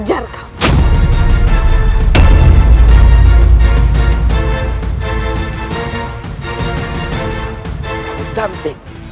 karena kau itu terlalu cantik